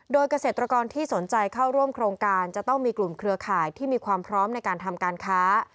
โดยเกษตรกรที่สนใจเข้าร่วมโครงการจะต้องมีกลุ่มเครือข่ายที่มีความพร้อมในการทำการค้า